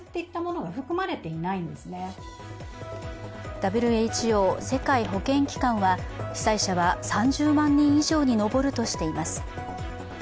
ＷＨＯ＝世界保健機関は被災者は３０万人以上に上るとしています。